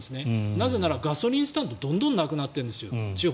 なぜならガソリンスタンドどんどん地方でなくなってるんです。